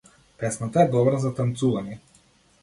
Песната е добра за танцување.